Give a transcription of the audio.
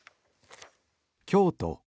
京都。